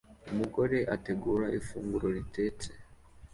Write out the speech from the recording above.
Umugore ategura ifunguro ritetse